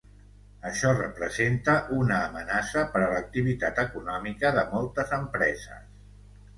Això representa una amenaça per a l’activitat econòmica de moltes empreses.